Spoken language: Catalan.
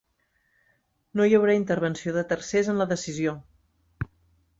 No hi haurà intervenció de tercers en la decisió.